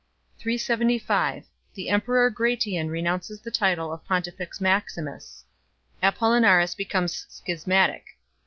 375 The emperor Gratian renounces the title of Pontifex Maximus. Apollinaris becomes schismatic.